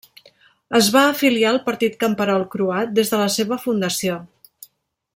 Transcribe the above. Es va afiliar al Partit Camperol Croat des de la seva fundació.